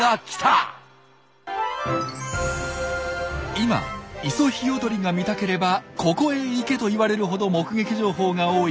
「今イソヒヨドリが見たければここへ行け！」と言われるほど目撃情報が多い